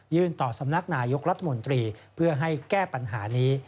ต่อสำนักนายกรัฐมนตรีเพื่อให้แก้ปัญหานี้